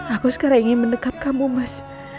aku sekarang ingin mendekat kamu mas